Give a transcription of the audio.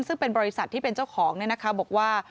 ซึ่งเป็นบริษัทที่เป็นเจ้าของบอกว่า